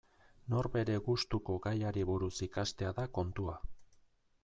Norbere gustuko gaiari buruz ikastea da kontua.